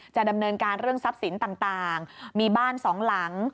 จะดำเนินการเรื่องทรัพย์สินต่างมีบ้านสองหลัง